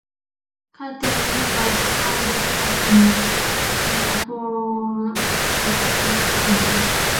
Carnation was founded as an evaporated milk company.